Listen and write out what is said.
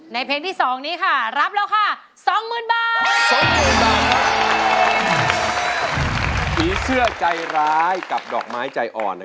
เพลงที่๒นี้ค่ะรับแล้วค่ะ๒๐๐๐บาท